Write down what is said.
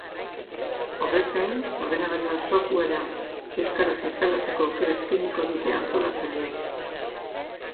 Horrez gain, ordenagailuan softwarea euskaraz instalatzeko aukera eskainiko dute antolatzaileek.